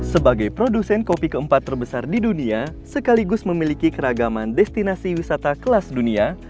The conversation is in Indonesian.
sebagai produsen kopi keempat terbesar di dunia sekaligus memiliki keragaman destinasi wisata kelas dunia